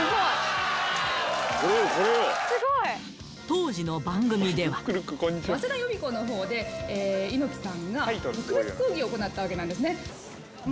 当時の番組では早稲田予備校のほうで猪木さんが特別講義を行ったわけですね。